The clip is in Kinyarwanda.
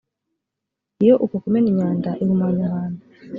iyo uko kumena imyanda ihumanya ahantu